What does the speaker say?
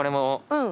うん。